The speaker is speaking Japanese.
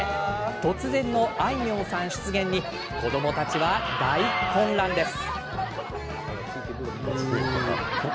突然のあいみょんさん出現に子どもたちは大混乱です。